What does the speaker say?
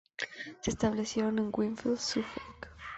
Se establecieron en Wingfield, Suffolk.